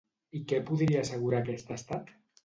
I què podria assegurar aquest estat?